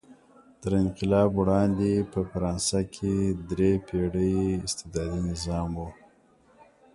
تر انقلاب وړاندې په فرانسه کې درې پېړۍ استبدادي نظام و.